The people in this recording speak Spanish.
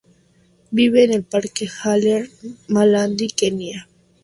Viven en el Parque Haller, Malindi, Kenia.